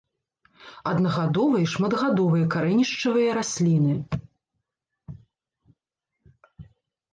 Аднагадовыя і шматгадовыя карэнішчавыя расліны.